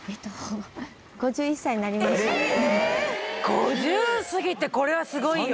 ５０過ぎてこれはすごいよ。